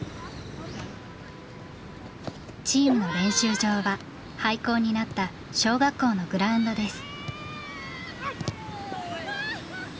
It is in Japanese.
チームの練習場は廃校になった小学校のグラウンドです。